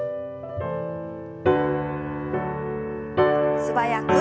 素早く。